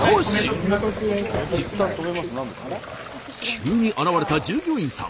急に現れた従業員さん。